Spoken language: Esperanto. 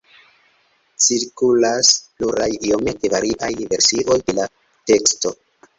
Cirkulas pluraj iomete variaj versioj de la teksto.